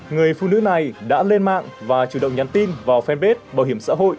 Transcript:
người phụ nữ này đã lên mạng và chủ động nhắn tin vào fanpage bảo hiểm xã hội